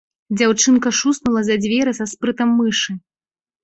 Дзяўчынка шуснула за дзверы са спрытам мышы.